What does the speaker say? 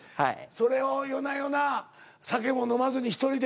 それを夜な夜な酒も飲まずに１人で。